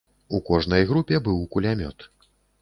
У кожнай групе быў кулямёт.